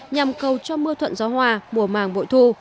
nhằm cầu cho mưa thuận gió hòa mùa màng bội thu